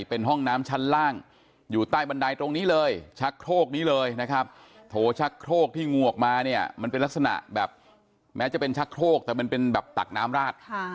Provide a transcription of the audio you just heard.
เป็นห้องน้ำชั้นล่างอยู่ใต้บันไดตรงนี้เลยชักโครกนี้เลยนะครับโถชักโครกที่งูออกมาเนี่ยมันเป็นลักษณะแบบแม้จะเป็นชักโครกแต่มันเป็นแบบตักน้ำราด